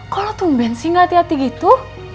kok lo tumben sih gak hati hati gitu